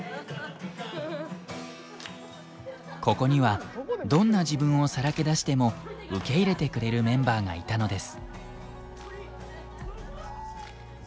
ここにはどんな自分をさらけ出しても受け入れてくれるメンバーがいたのです。